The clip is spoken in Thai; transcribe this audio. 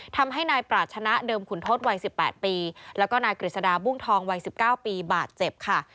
ทำให้นายปราชนะเดิมขุนทศวัย๑๘ปีแล้วก็นายกฤษฎาบุ้งทองวัย๑๙ปีบาดเจ็บค่ะ